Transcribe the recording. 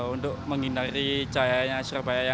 untuk menghindari cahaya yang cerbaik